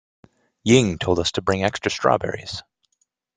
Ying told us to bring extra strawberries.